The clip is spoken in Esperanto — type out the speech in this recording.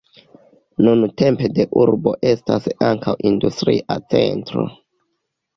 Nuntempe la urbo estas ankaŭ industria centro.